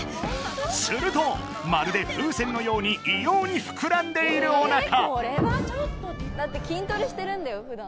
するとまるで風船のように異様に膨らんでいるおなか